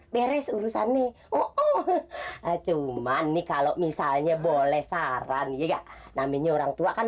beres urusan nih oh cuman nih kalau misalnya boleh saran ya namanya orang tua kan